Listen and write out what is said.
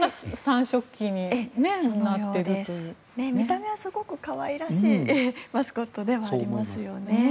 見た目はすごく可愛らしいマスコットでもありますよね。